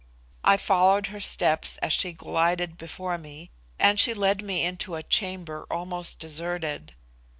I followed her steps as she glided before me, and she led me into a chamber almost deserted.